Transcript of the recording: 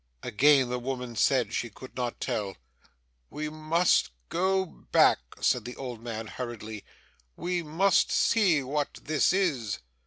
Again the woman said she could not tell. 'We must go back,' said the old man, hurriedly. 'We must see what this is.